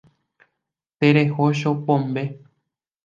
Tereho chopombe.